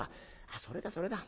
「あっそれだそれだ。